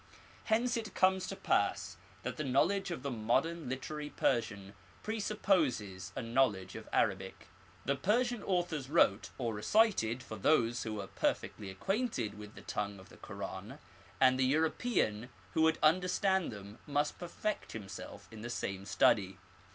Hence it comes to pass that the knowledge of the modern literary Persian presupposes a knowledge of Arabic. The Persian authors wrote or recited for those who were per fectly acquainted with the tongue of the Koran, and the Eu ropean who would understand them must perfect himself in the same study.